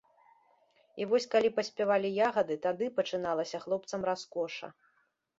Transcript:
І вось, калі паспявалі ягады, тады пачыналася хлопцам раскоша.